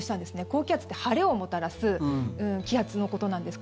高気圧って晴れをもたらす気圧のことなんです